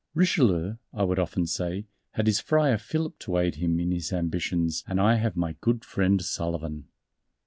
"Richelieu," I would often say, "had his Friar Philip to aid him in his ambitions and I have my good friend Sullivan."